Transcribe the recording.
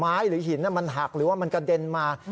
ไม้หินหักหรือว่ามันกระเด็นมา